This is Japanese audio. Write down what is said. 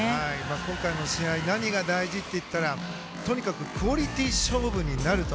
今回の試合何が大事かといったらとにかくクオリティー勝負になると。